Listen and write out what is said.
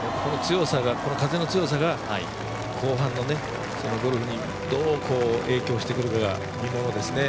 この風の強さが後半のゴルフにどう影響してくるかが見ものですね。